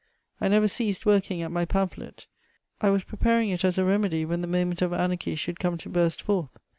I never ceased working at my pamphlet; I was preparing it as a remedy when the moment of anarchy should come to burst forth.